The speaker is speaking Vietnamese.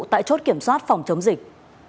tại chốt kiểm soát phòng chống dịch